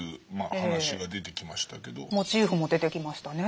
モチーフも出てきましたね。